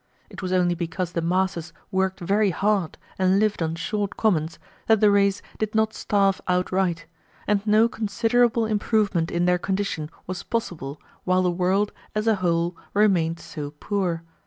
It was only because the masses worked very hard and lived on short commons that the race did not starve outright, and no considerable improvement in their condition was possible while the world, as a whole, remained so poor.